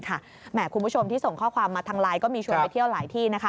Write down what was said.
คุณผู้ชมที่ส่งข้อความมาทางไลน์ก็มีชวนไปเที่ยวหลายที่